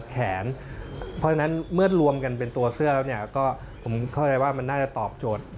ตัวเสื้อแล้วเนี่ยก็ผมเข้าใจว่ามันน่าจะตอบโจทย์